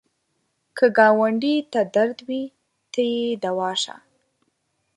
که ګاونډي ته درد وي، ته یې دوا شه